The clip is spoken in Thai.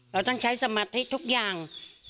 เราต้องใช้สมาธิทุกอย่าง